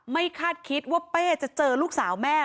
คาดคิดว่าเป้จะเจอลูกสาวแม่